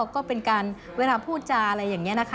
ก็เป็นการเวลาพูดจาอะไรอย่างนี้นะคะ